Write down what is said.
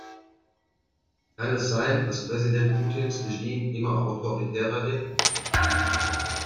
Kann es sein, dass Präsident Putins Regime immer autoritärer wird?